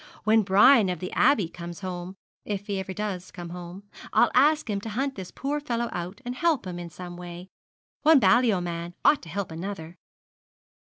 When Brian, of the Abbey, comes home if ever he does come home I'll ask him to hunt this poor fellow out, and help him in some way. One Balliol man ought to help another.'